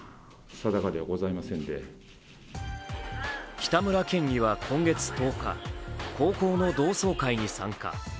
北村県議は今月１０日高校の同窓会に参加。